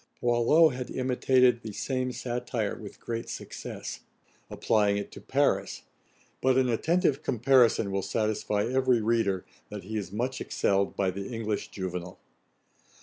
Boileau had imitated the same satire with great success, applying it to Paris; but an attentive comparison will satisfy every reader, that he is much excelled by the English Juvenal.